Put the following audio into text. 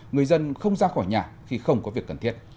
người dân không ra khỏi nhà khi không có việc cần thiết